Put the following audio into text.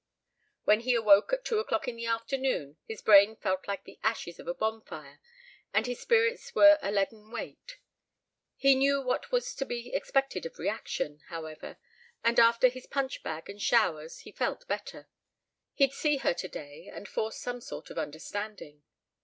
When he awoke at two o'clock in the afternoon his brain felt like the ashes of a bonfire and his spirits were a leaden weight. He knew what was to be expected of reaction, however, and after his punch bag and showers he felt better. He'd see her today and force some sort of understanding.